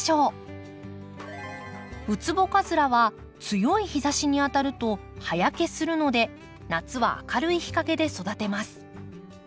ウツボカズラは強い日ざしに当たると葉焼けするので夏は明るい日陰で育てます。